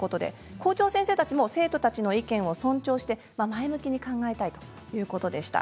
校長先生たちも生徒たちの意見を尊重して前向きに考えたいということでした。